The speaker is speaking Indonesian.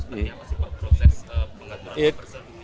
seperti apa sih pak proses pengaturan buffer zone ini